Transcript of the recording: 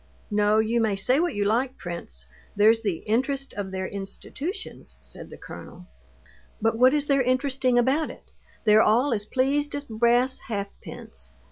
"No, you may say what you like, prince, there's the interest of their institutions," said the colonel. "But what is there interesting about it? They're all as pleased as brass halfpence.